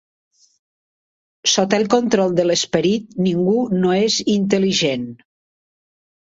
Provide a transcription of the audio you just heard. Sota el control de l'esperit ningú no és intel·ligent.